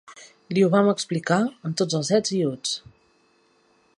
Li ho van explicar amb tots els ets i uts.